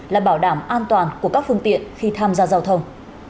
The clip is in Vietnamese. là bảo đảm an toàn của các phương tiện khi tham gia giao thông